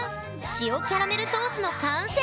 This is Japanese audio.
「塩」キャラメルソースの完成！